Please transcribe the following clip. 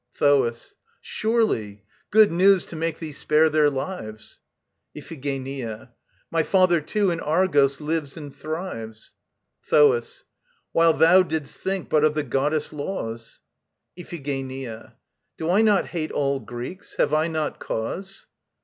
THOAS. Surely! Good news to make thee spare their lives ... IPHIGENIA. My father too in Argos lives and thrives. THOAS. While thou didst think but of the goddess' laws! IPHIGENIA. Do I not hate all Greeks? Have I not cause?